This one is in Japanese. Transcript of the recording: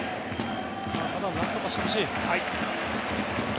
ただ何とかしてほしい。